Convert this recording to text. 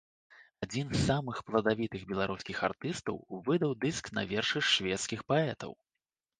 Адзін з самых пладавітых беларускіх артыстаў выдаў дыск на вершы шведскіх паэтаў.